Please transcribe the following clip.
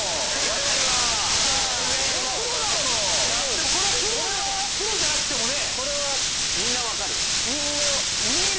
でもこれはプロじゃなくてもね。